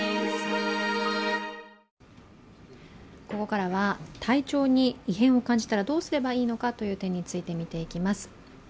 ここからは体調に異変を感じたらどうすればいいのかという点について見ていきます。